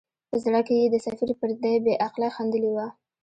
په زړه کې یې د سفیر پر دې بې عقلۍ خندلي وه.